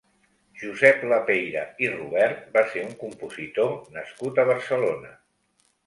Josep Lapeyra i Rubert va ser un compositor nascut a Barcelona.